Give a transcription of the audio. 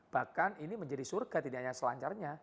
bahkan ini menjadi surga tidak hanya selancarnya